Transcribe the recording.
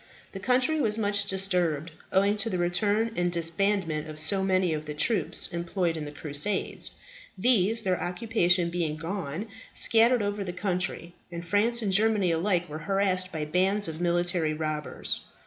The country was much disturbed, owing to the return and disbandment of so many of the troops employed in the Crusades. These, their occupation being gone, scattered over the country, and France and Germany alike were harassed by bands of military robbers.